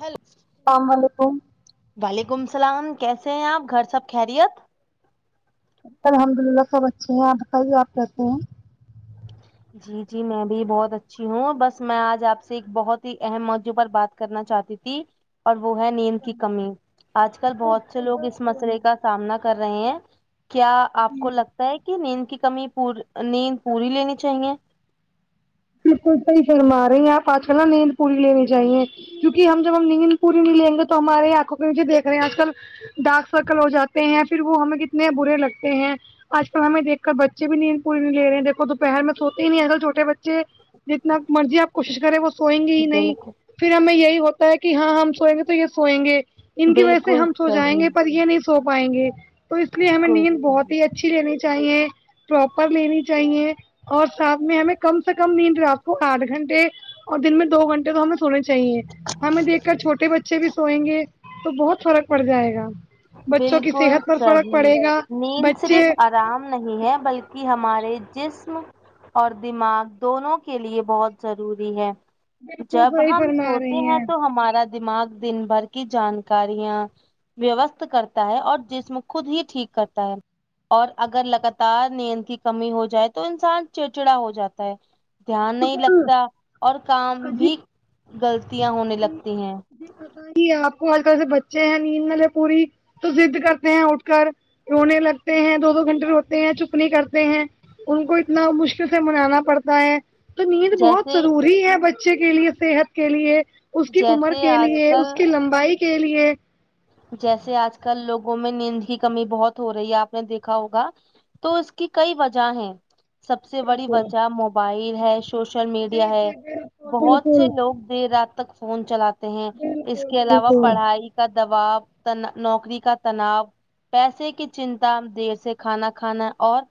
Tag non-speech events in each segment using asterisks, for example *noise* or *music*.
Hello سام وعلیکم وعلیکم السلام کیسے ہیں آپ گھر سب خیریت الحمد للہ سب اچھے ہیں آپ بتائیے آپ کہتے ہیں جی جی میں بھی بہت اچھی ہوں بس میں آج آپ سے ایک بہت ہی اہم موجع پر بات کرنا چاہتی ت جی اور وہ ہے نیند کی کمی آج کل بہت سے بالکل لوگ اس بالکل مسئلے کا سامنا کر رہے ہیں کیا آپ کو لگتا ہے کہ نیند کی کمی پور نیند پوری لینی چاہیے بالکل صح فرما رہے ہیں آپ آج کل نا نیند پوڑی لیینی چاہے کیونکہ ہم جب ہم نیند پوری نہیں لیں گے تو ہمارے آنکھوں کی مجھ دیک رہے ہیں آج کل ڈارک سرکل ہو جاتے ہیں پھر وہ ہمیں کتنے برے لگتے ہیں آج کل ہمیں دیک کر بچ بھی نیند پوری لے رہے دیکو دوپہر میں سوتے ہی نہیں آجل چھوے بچے بچے جتنا مرضی آپ کوشش کریں وہ سوئیں گے ہی نہیں بالکل پھر ہمیں یہی ہوتا ہے کہ ہاں ہم سوئیں گے تو یہ سوئیں گے ان کی وجہ سے بالکل ہم سو جائیں صحیح گے پر یہ نہیں سو پائیں گے تو اس لیے ہمیں بالکل نیند صحیح بہت ہی اچ اچھی لینی چاہیے پراپر لینی چاہیے اور ساتھ میں ہمیں کم سے کم نیند رات کو آٹھ گھنٹے اور دن میں دو گھنٹے تو ہمیں سونے چاہیے ہمیں دیک کر چھوٹے بچے بھی سوئیں گے تو بہت فرق پڑ جائے گا بچوں کی بالکل صحت پر فرق پڑے گا بچے رام ندی ہے بلکہ ہمارے جسم اور دماغ دونوں کے لیے بہت ضروری ہے بالکل جب صحیح ہم فرما سوتے رہی ہیں تو ہمارا دماغ دن بھر کی جانکاریاں وست کرتا ہے اور جسم خود ہی ٹھیک کرتا ہے اور اگر لگاتار نیند کی کمی ہو جائے تو انسان چڑچڑا ہو جاتا ہے دھیان نہیں بالکل لگتا اور کام بھی غلطیاں ہونے لگتی ہیں جی پتا ہی آپ کو آج کل سے بچے ہیں نیند نلے پوری تو زد کرتے ہیں اٹھ کر رونے لگتے ہیں دو دو گھنٹے روتے ہیں چپ نہیں کرتے ہیں ان کو اتنا مشکل سے منانا پڑتا ہے تو نیند بہت جیسے ضروری ہے بچے کے لیے صحت کے لیے اس کی عمر جیسے کے آج لیے اس کل کی لمبائی کے لیے جیسے آج کل لوگوں میں نیند کی کمی بہت ہو رہی ہے آپ نے دیکھا ہوگا تو اس کی کئی وجہ ہیں سب سے بڑی بالکل وجہ موبائل ہے سوشل میڈیا جی ہے جی بالکل بہت سے بالکل لوگ دیر رات تک فون چلاتے ہیں اس بالکل کے علاوہ بالکل پڑھائی کا دباؤ تنہ نوکری کا تناؤ پیسے کی چنتا ہم دیر سے کھانا کھانا اور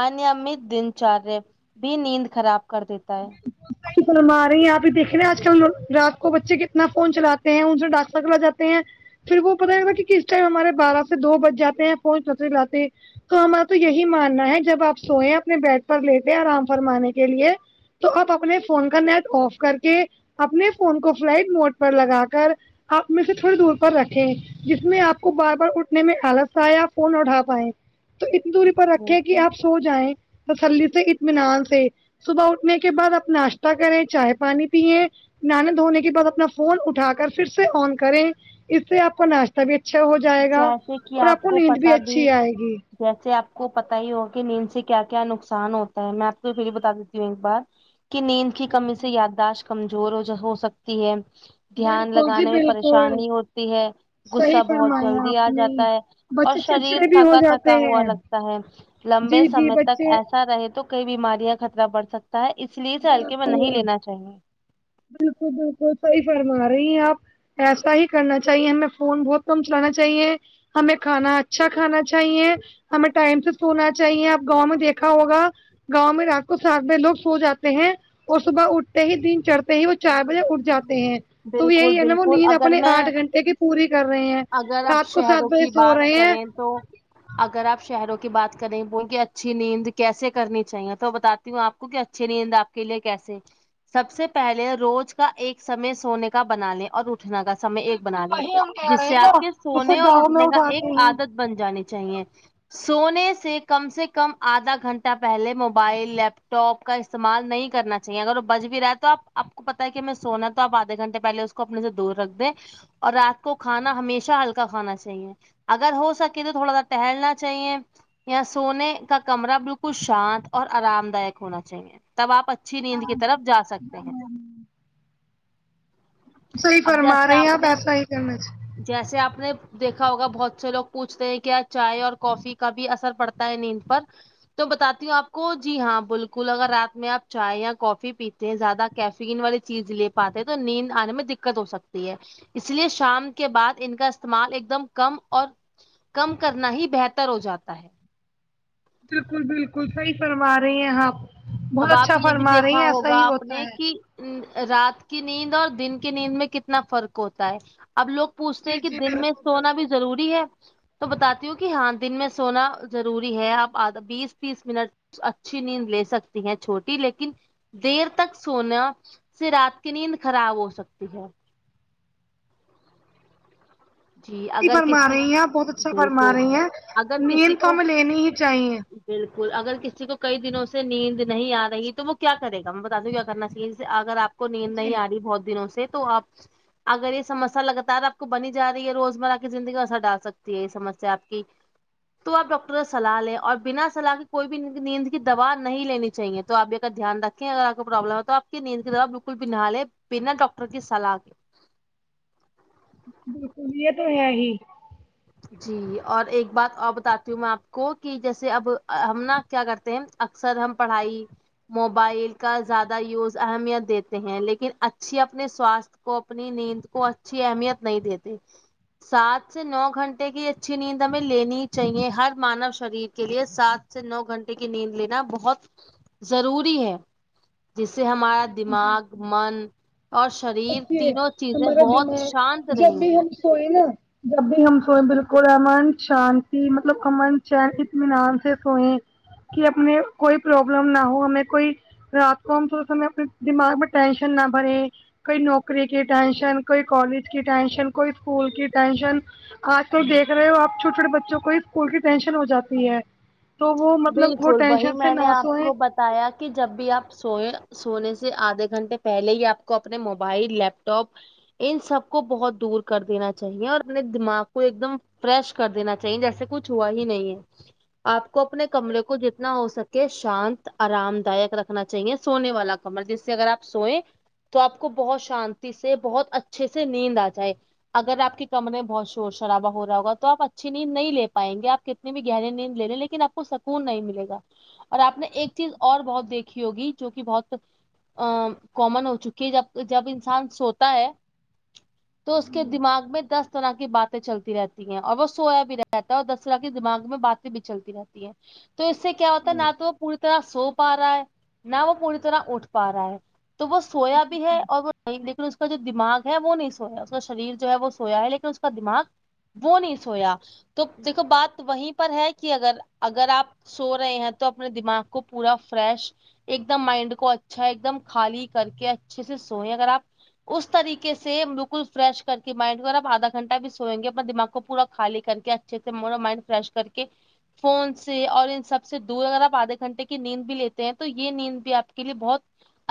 انیامت دن چارے بھی نیند خراب کر دیتا ہے صحیح فرما رہی ہیں آپ ہی دیکھے ہیں آج کل رات کو بچے کتنا فون چلاتے ہیں ان ڈانسا کلا جاتے ہیں پھر وہ پتہ ہے نہ کہ کس ٹائم ہمارے بارہ سے دو بج جاتے ہیں فون چلتے چلاتے تو ہمارا تو یہی ماننا ہے جب آپ سوئیں اپنے بیڈ پر لیٹے آرام فرمانے کے لیے تو آپ اپنے فون کا نیٹ آف کر کے اپنے فون کو فلائٹ موڈ پر لگا کر اپنے سے تھوڑی دور پر رکھیں جس میں آپ کو بار بار اٹھنے میں آلس آیا آپ فون نا اٹھا پائے تو اتنی دوری پر رکھیں کہ بالکل آپ سو جائیں تسلی سے اطمینان سے صبح اٹھنے کے بعد آپ ناشتہ کریں چائے پانی پییں نہانے دھونے کے بعد اپنا فون اٹھا کر پھر سے آن کریں اس سے آپ کا ناش تہ بھی اچھا ہو جائے گا اور آپ کو نیند بھی اچھی آئے گی جیسے آپ کو پتا ہی ہوگا کہ نیند سے کیا کیا نقصان ہوتا ہے میں آپ کو پھر بتا دیتی ہوں ایک بار کہ نیند کی کمی سے بالکل یاداشت کمزور ہو جا ہو سکتی ہے دھیان بالکل جی لگانے میں بالکل پریشانی ہوتی ہے صحیح غصہ بہت فرمایا جلدی آپ آ نے جاتا ہے اور بچے شریر چڑچڑے بھی ہو تھکا تھکا جاتے ہوا ہیں لگتا ہے لمبے جی جی سمے تک بچے ایسا رہے تو کئی بیماریاں خطرہ پڑ سکتا ہے اس لیے اسے ہلکے میں نہیں بالکل لینا چاہیے بالکل بالکل صحیح فرما رہی ہیں آپ ایسا ہی کرنا چاہیے ہمیں فون بہت کم چلانا چاہیے ہمیں کھانا اچھا کھانا چاہیے ہمیں ٹائم سے سونا چاہیے آپ گاؤں میں دیکھا ہوگا گاؤں میں رات کو سات بجے لوگ سو جاتے ہیں اور صبح اٹھتے ہی دن چڑھ ہی وہ چار بجے اٹھ جاتے ہیں تو بالکل یہی ہے نا وہ بالکل نیند اگر اپنے میں آٹھ گھنٹے کی پوری کر رہے ہیں اگر آپ رات کو سات شہروں بجے کی سو بات رہے ہیں کریں تو اگر آپ شہروں کی بات کریں ان کی اچھی نیند کیسے کرنی چاہیے تو بتا تی ہوں آپ کو کہ اچھے نیند آپ کے لیے کیسے سب سے پہلے روز کا ایک سمے سونے کا بنا لیں اور اٹھنا کا سمے ایک بنا لے وہی ہم کہہ جس رہے سے ہیں نا آپ کے جسے سونے اور گاؤں میں اٹھنے کا ایک اٹھاتے ہیں عادت بن جانی چاہیے سونے سے کم سے کم آدھا گھنٹہ پہلے موبائل لیپ ٹاپ کا اس تعمال نہیں کرنا چاہیے اگر وہ بج بھی رہا ہے تو آپ آپ کو پتا ہے کہ میں سونا ہے تو آدھے گھنٹے پہلے اس کو اپنے سے دور رکھ دیں اور رات کو کھانا ہمیشہ ہلکا کھانا چاہیے اگر ہو سکے تو تھوڑا سا ٹہلنا چاہیے یا سونے کا کمرہ بالکل شانت اور آرام دائک ہونا چاہیے تب آپ اچھی نیند کی طرف جا سکتے ہیں صحیح اب فرما جیسے رہی ہیں آپ نے ایسا ہی کرنا چا جیسے آپ نے دیکھا ہوگا بہت سے لوگ پوچھتے ہیں کیا چائے اور کافی کا بھی اثر پڑتا ہے نیند پر تو بتاتی ہوں آپ کو جی ہاں بالکل اگر رات میں آپ چائے یا کافی پیتے ہیں زیادہ کیف ین والی چیز لے پاتے ہیں تو نیند انے میں دقت ہو سکتی ہے اس لیے شام کے بعد ان کا استعمال ایک دم کم اور کم کرنا ہی بہتر ہو جاتا ہے بالکل بالکل صحیح فرما رہی ہیں آپ بہت اب اچھا آپ فرما رہی ہیں ایسا ہی ہوتا ہے اں رات کی نیند اور دن کی نیند میں کتنا فرق ہوتا ہے اب لوگ پوچھتے ہیں جی کہ جی دن میں بالکل سونا بالکل بھی ضروری ہے تو بتاتی ہوں کہ ہاں دن میں سونا ضروری ہے آپ آدھا بیس تیس منٹ اچھی نیند لے سکتی ہیں چھوٹی لیکن دیر تک سونا سے رات کی نیند خراب ہو سکتی ہے جی صحیح اگر فرما کسی رہی ہیں بہت اچھا فرما بالکل رہی ہیں اگر نیند کسی تو کو ہمیں لینی ہی چاہیے بالکل اگر کسی کو کئی دنوں سے نیند نہیں آ رہی ہے تو وہ کیا کرے گا ہم بتا دوں کیا کرنا چاہیے جس اگر آپ کو نیند نہیں جی آ رہی بہت دنوں سے تو آپ اگر یہ سمسیا لگاتار آپ کو بنی جا رہی ہے روزمرہ کی زندگی اثر ڈال سکتی ہے یہ سمجھ سے آپ کی تو اپ ڈاکٹر سے صلاح لیں اور بنا صلاح کے کوئی بھی نیند کی دوا نہیں لینی چاہیے تو آپ یہ کا دھیان رکھیں اگر آپ کو پرابلم ہے تو آپ کی نیند کی دوا بالکل بھی نہ لیں بیننا ڈاکٹر کی سلاح کے بالکل یہ تو ہے ہی جی اور ایک بات اور بتاتی ہوں میں آپ کو کہ جیسے اب ہم نا کیا کرتے ہیں اکثر ہم پڑھائی موبائل کا زیادہ یوز اہمیت دیتے ہیں لیکن اچھی اپنے سواستھ کو اپنی نیند کو اچھی اہمیت نہیں دیتے سات سے نو گھنٹے کی اچھی نیند ہمیں لینی چاہیے ہر مانو شریر کے لیے سات سے نو گھنٹے کی نیند لینا بہت ضروری ہے جس سے ہمارا دماغ من اور شریر دیکھیے تینوں چیزیں بہت شانت رہیں گی کوئی نا جب بھی ہم سوئیں بالکل ہے من شانتی مطلب کا من چینچن اطمینان سے سوئے کہ اپنے کوئی پرابلم نہ ہو ہمیں کوئی رات ہم اپنے دماغ میں ٹینشن نہ بھرے کوئی نوکری کی ٹینشن کوئی کالج کی ٹینشن کوئی اسکول کی ٹینشن آج کل دیکھ رہے ہو آپ چھوٹے چھوٹے بچوں کو بھی اسکول کی ٹینشن ہو جاتی ہے تو وہ مطلب وہ ٹینشن سے ناسوئے تایا کہ جب بھی آپ سوئے سونے سے آدھے گھنٹے پہلے ہی آپ کو اپنے موبائل لیپ ٹاپ ان سب کو بہت دور کر دینا چاہیے اور اپنے دماغ کو ایک دم فریش کر دینا چاہیے جیسے کچھ ہوا ہی نہیں ہے آپ کو اپنے کمرے کو جتنے نہ ہو سکے شانت ارام دائک رکھنا چاہیے سونے والا کمر جس سے اگر اپ سوئیں تو اپ کو بہت شانتی سے بہت اچھے سے نیند اجائے اگر آپ کے کمرے بہت شور شرابہ ہو رہا ہوگا توپ اچھی نیند نہیں لے پائیں گے آپ ک کتنی بھی نیند لے لیکن اپ کو سکون نہیں ملے گا اور اپ نے ایک چیز اور بہت دیکھی ہوگی جو کہ بہت ا کامن ہو چکی ہے جب جب انسان سوتا ہے تو اس کے دماغ میں دس طرح کی باتیں چلتی رہتی ہیں اور وہ سویا بھی رہتا ہے اور دس طرح کی دماغ میں باتیں بھی چلتی رہتی ہے تو اس سے کیا ہوتا ہے نہ تو وہ پوری طرح سو پا رہا ہے نہ وہ پوری طرح اٹھ پا رہا ہے تو وہ سویا بھی ہے اور وہ نہیں بھی لیکن اس کا جو دماغ ہے وہ نہیں سویا ہے اس کا شریر جو ہے وہ سویا ہے لیکن اس کا دماغ وہ نہیں سویا تو دیکھو بات وہیں پر ہے کہ اگر اگر آپ سو رہے ہیں تو اپنے دماغ کو پورا فریش ایک دم مائنڈ کو اچھا ایک دم خالی کر کے اچھے سے سوئیں اگر آپ اس طریقے سے بالکل فریش کر کے مائنڈ کو ا دھا گھنٹہ بھی سوئیں گے اپنے دماغ کو پورا خالی کر کے اچھا جیسے میرا مائنڈ فریش کر کے فون سے اور ان سب سے دور اگر آپ آدھے گھنٹے کی نیند بھی لیتے ہیں تو یہ نیند بھی آپ کے لیے بہت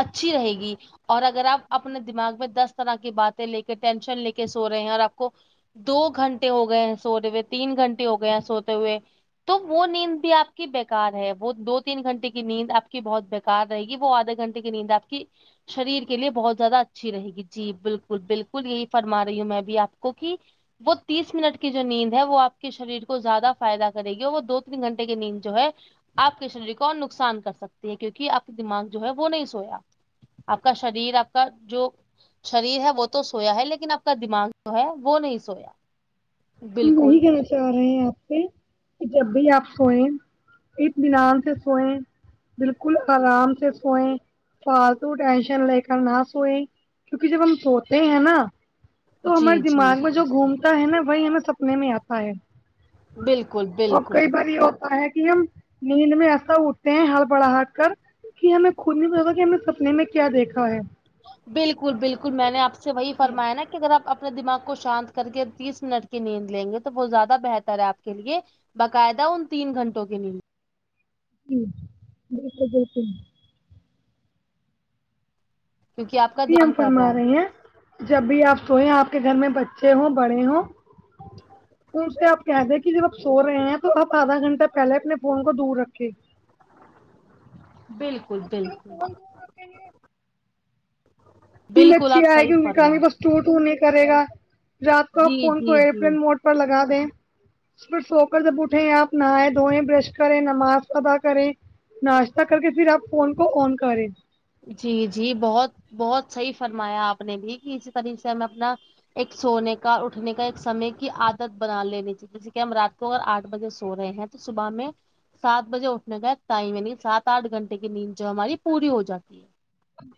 اچھی رہے گی اور اگر آپ اپنے دماغ میں دس طرح کی بات لے کے ٹینشن لے کے سو رہے ہیں اور آپ کو دو گھنٹے ہو گئے ہیں سوتے ہوئے تین گھنٹے ہو گئے ہیں سوتے ہوئے تو وہ نیند بھی آپ کی بےکار ہے وہ دو تین گھنٹے کی نیند آپ کی بہت بےکار رہے گی وہ آدھے گھنٹے لیکن نیند آپ کی شریر کے لیے بہت زیادہ اچھی رہے گی جی بالکل بالکل یہی فرما رہی ہوں میں بھی آپ کو کہ وہ تیس منٹ کی جو نیند ہے وہ آپ کے شریر کو زیادہ فائدہ کرے گی وہ دو تین گھنٹے کی نیند جو ہے آپ کے شریر کو اور نقصان کر سکتی ہے کیونکہ آپ کا دماغ جو ہے وہ نہیں سویا آپ کا شریر آپ کا جو شریر ہے وہ تو سویا ہے لیکن اپ کا دماغ جو ہے وہ نہیں سویا بالکل کہہ رہے ہیں اپی کہ جب بھی آپ سوئیں اطمینان سے سوئے بالکل آرام سے سوئے فالتو ٹینشن لے کر نہ سوئے کیونکہ جب ہم سوتے ہیں نا تو ہمارے جی جی دماغ میں جو گھومتا ہے نا وہی ہمیں سپنے میں آتا ہے بالکل اور بالکل کئی بار یہ ہوتا ہے کہ ہم نیند میں ایسا اٹتے ہیں ہڑبڑ ہٹ کر کہ ہمیں خود نہیں پتا تھا کہ ہمیں سپنے میں کیا دیکھا ہے بالکل بالکل میں نے آپ سے وہی فرمایا نا کہ کہ اگر آپ اپنے دماغ کو شانت کر کے تیس منٹ کی نیند لیں گے تو وہ زیادہ بہتر ہے آپ کے لیے باقاعدہ ان تین گھنٹوں کے نیند جی بالکل بالکل کیونکہ آپ کا جی ہم دام کر فرما رہا ہے رہے ہیں جب بھی آپ سوئے آپ کے گھر میں بچے ہوں بڑے ہوں *inaudible* ان سے آپ کہہ دیں کہ جب آپ سو رہے ہیں تو آدھا گھنٹہ پہلے اپنے فون کو دور رکھے بالکل بالکل فیل بالکل اچھی آپ آئے صحیح گی ان کی فرما کہانی رہے ہیں۔ کوسٹور ٹو نہیں کرے گا رات کو آپ جی فون کو جی جی ائرپلان موڈ پر لگا دیں پھر سو کر جب اٹھیں آپ نہائے دھوئیں برش کریں نماز ادا کریں ناشتہ کر کے پھر آپ فون کو آن کریں جی جی بہت بہت صحیح فرمایا آپ نے بھی کہ اسی طریح سے ہمیں اپنا ایک سونے کا اٹھنے کا ایک سمے کی عادت بنا لینی جیسے کہ ہم رات کو اگر آٹھ بجے سو رہے ہیں تو صبح میں سات بجے اٹھنے کا ٹائم یعنی سات آٹھ گھنٹے کی نیند جو ہے ہماری پوری ہو جاتی ہے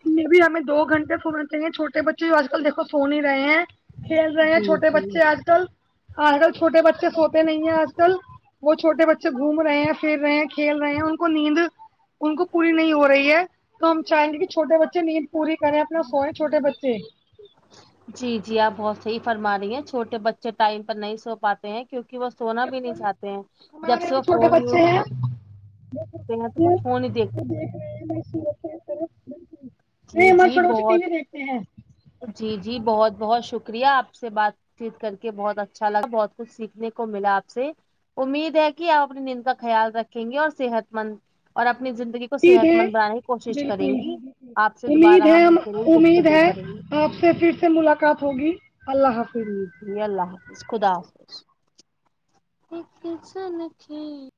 پھر بھی ہمیں دو گھنٹے سونا چاہیے چھوٹے بچے آج کل دیکھو سو نہیں رہے ہیں کھیل رہے ہیں جی چھوٹے جی بچے آج کل آج کل چھوٹے بچے سوتے نہیں ہیں آج کل وہ چھوٹے بچے گھوم رہے ہیں پھر رہے ہیں کھیل رہے ہیں ان کو نیند ان کو پوری نہیں ہو رہی ہے تو ہم چاہیں گے کہ چھوٹے بچے نیند پوری کریں اپنا سوے چھوٹے بچے *inaudible* جی جی آپ بہت صحیح فرما رہی ہیں چھوٹے بچے ٹائم پر نہیں سو پاتے ہیں کیونکہ وہ سونا بھی نہیں چاہتے ہیں جب سے وہ فون یوز کرتے ہیں تو وہ فون ہی دیکھتے دیکھ رہ *inaudible* جی جی بچے ٹی بہت وی دیکھتے ہیں جی جی بہت بہت شکریہ آپ سے بات چیت کر کے بہت اچھا لگا بہت کچھ سیکھنے کو ملا آپ سے امید ہے کہ آپ اپنی نیند کا خیال رکھیں گے اور صحت مند اور اپنی زندگی کو عید صحت ہے مند بنانے کی کوشش کریں گی آپ سے امید دوبارہ ہے ہم ضرور امید گفتگو ہے کریں گے آپ سے پھر سے ملاقات ہوگی اللہ حافظ جی جی اللہ حافظ خدا حافظ *unintelligible*